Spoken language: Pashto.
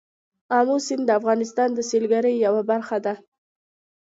آمو سیند د افغانستان د سیلګرۍ یوه برخه ده.